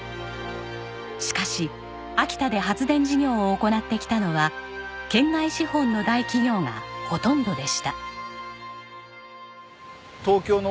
しかし秋田で発電事業を行ってきたのは県外資本の大企業がほとんどでした。